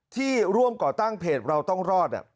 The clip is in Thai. ที่ร่วมก่อตั้งเพจเราต้องรอด